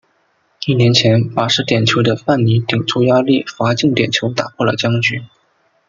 一年前罚失点球的范尼顶住压力罚进点球打破了僵局。